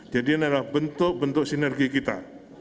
jadi ini adalah bentuk bentuk sinergi kita